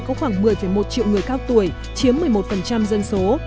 có khoảng một mươi một triệu người cao tuổi chiếm một mươi một dân số